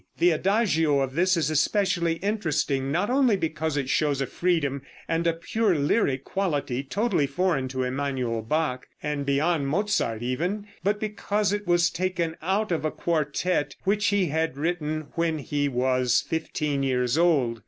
The Adagio of this is especially interesting, not only because it shows a freedom and a pure lyric quality totally foreign to Emanuel Bach, and beyond Mozart even, but because it was taken out of a quartette which he had written when he was fifteen years old.